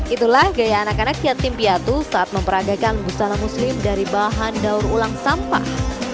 itulah gaya anak anak yatim piatu saat memperagakan busana muslim dari bahan daur ulang sampah